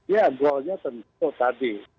ya goalnya tentu tadi